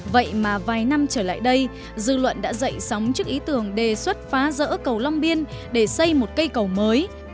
vậy mà vài năm trở lại đây dư luận đã dậy sóng trước ý tưởng đề xuất phá rỡ cầu long biên để xây một cây cầu mới